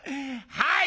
はい！